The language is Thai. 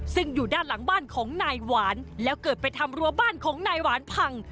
ซึ่งอยู่ด้านหลังบ้านของนายหวานแล้วเกิดไปทำรัวบ้านของนายหวานพัง